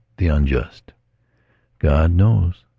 The unjust? God knows!